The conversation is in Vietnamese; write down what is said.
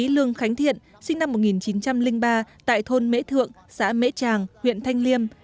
lương khánh thiện sinh năm một nghìn chín trăm linh ba tại thôn mễ thượng xã mễ tràng huyện thanh liêm